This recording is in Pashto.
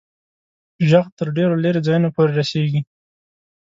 ږغ تر ډېرو لیري ځایونو پوري رسیږي.